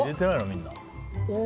みんな。